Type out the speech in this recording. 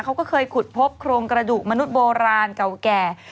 เขาก็เคยขุดพบโครงกระดูกมนุษย์โบราณเก่าแก่